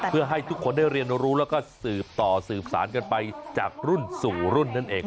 เพื่อให้ทุกคนได้เรียนรู้แล้วก็สืบต่อสืบสารกันไปจากรุ่นสู่รุ่นนั่นเอง